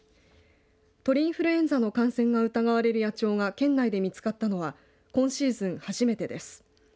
鳥インフルエンザの感染が疑われる野鳥が県内で見つかったのは今シーズン初めてです。